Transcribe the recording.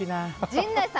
陣内さん